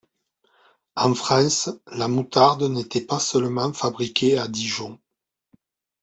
En France, la moutarde n'était pas seulement fabriquée à Dijon.